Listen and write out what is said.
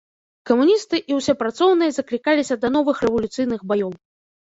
Камуністы і ўсе працоўныя заклікаліся да новых рэвалюцыйных баёў.